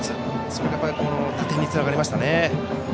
それが打点につながりましたね。